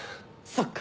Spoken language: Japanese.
そっか。